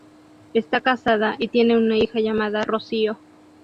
Está casada y tiene una hija llamada Rocío.